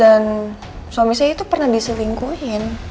dan suami saya itu pernah diselingkuhin